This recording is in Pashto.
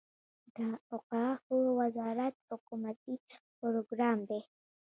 د اوقافو وزارت حکومتي پروګرام دی.